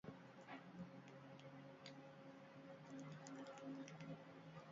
Udaletxeak berak ere gaztelu itxura dauka.